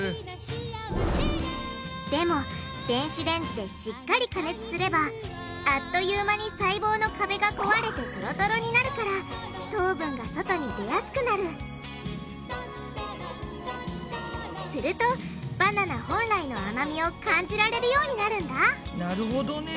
でも電子レンジでしっかり加熱すればあっという間に細胞の壁が壊れてトロトロになるから糖分が外に出やすくなるするとバナナ本来の甘みを感じられるようになるんだなるほどね。